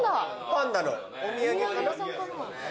パンダのお土産かな。